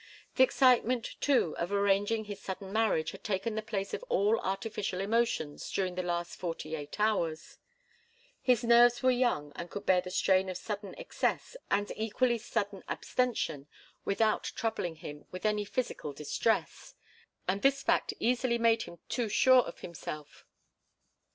The excitement, too, of arranging his sudden marriage had taken the place of all artificial emotions during the last forty eight hours. His nerves were young and could bear the strain of sudden excess and equally sudden abstention without troubling him with any physical distress. And this fact easily made him too sure of himself.